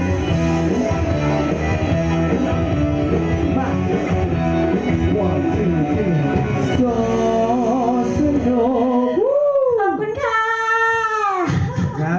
ขอบคุณค่ะ